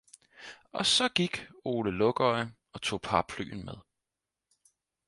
Og så gik ole lukøje og tog paraplyen med